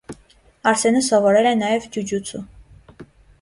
Արսենը սովորել է նաև ջուջուցու։